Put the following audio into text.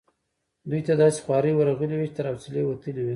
دوی ته داسي خوارې ورغلي وې چې تر حوصلې وتلې وي.